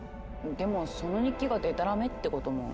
でもその日記がでたらめってことも。